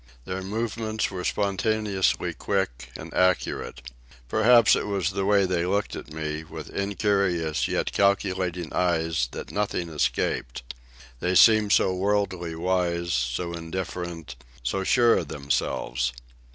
Their movements were spontaneously quick and accurate. Perhaps it was the way they looked at me, with incurious yet calculating eyes that nothing escaped. They seemed so worldly wise, so indifferent, so sure of themselves.